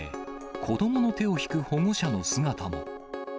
子どもの手を引く保護者の姿も。